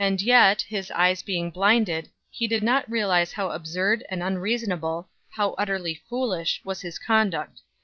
And yet, his eyes being blinded, he did not realize how absurd and unreasonable, how utterly foolish, was his conduct.